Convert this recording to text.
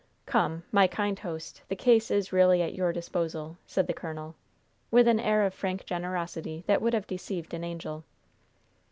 Come, my kind host, the case is really at your disposal," said the colonel, with an air of frank generosity that would have deceived an angel.